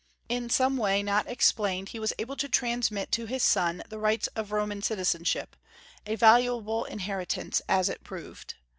In some way not explained, he was able to transmit to his son the rights of Roman citizenship, a valuable inheritance, as it proved.